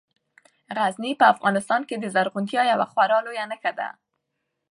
غزني په افغانستان کې د زرغونتیا یوه خورا لویه نښه ده.